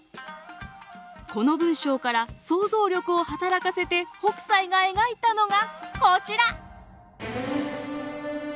この文章から想像力を働かせて北斎が描いたのがこちら！